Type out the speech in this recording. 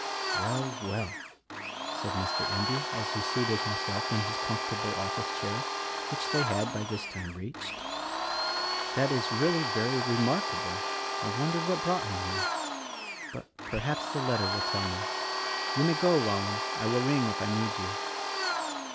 "Well! Well!" said Mr. Endy as he seated himself in his comfortable office chair, which they 'had by this time reached. "That is really very remarkable. I wonder what brought him here. But perhaps the letter will tell me. You may go, Rollins, I will ring if I need you."